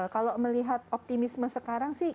kalau melihat optimisme sekarang sih